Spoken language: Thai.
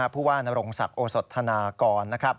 ผู้ว่านรงศักดิ์โอสถานากร